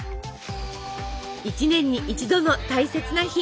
一年に一度の大切な日。